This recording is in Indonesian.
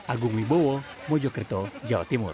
agung wibowo mojokerto jawa timur